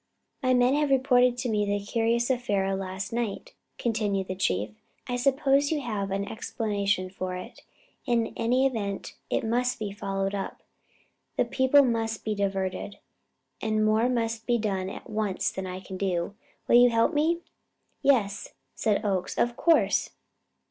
"My men have reported to me the curious affair of last night," continued the Chief. "I suppose you have a explanation for it; in any event, it must be followed up. The people must be diverted, and more must be done at once than I can do. Will you help me?" "Yes," said Oakes. "Of course!"